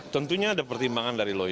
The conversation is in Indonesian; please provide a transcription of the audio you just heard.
tentunya ada pertimbangan dari loyal